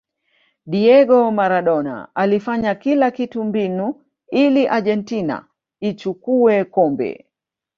diego maradona alifanya kila kitu mbinu ili argentina ichukue kombe